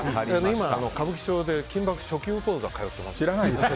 今、歌舞伎町で緊縛初級講座、通ってます。